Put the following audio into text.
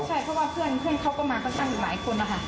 ใช่เพราะว่าเพื่อนเพื่อนเขาก็มาก็ตั้งหลายคนแล้วค่ะ